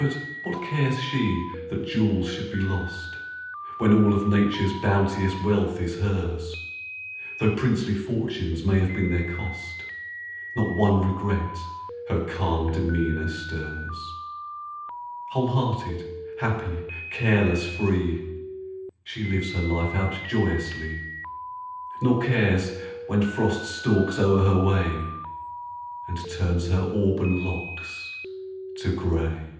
But what cares she that jewels should be lost, When all of Nature's bounteous wealth is hers? Though princely fortunes may have been their cost, Not one regret her calm demeanor stirs. Whole hearted, happy, careless, free, She lives her life out joyously, Nor cares when Frost stalks o'er her way And turns her auburn locks to gray.